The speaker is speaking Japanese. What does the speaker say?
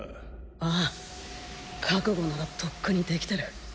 あぁ覚悟ならとっくにできてる。